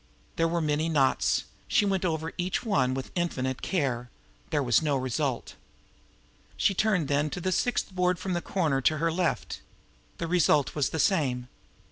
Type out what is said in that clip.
There were many knots; she went over each one with infinite care. There was no result. She turned then to the sixth board from the corner to her left. The result was the same.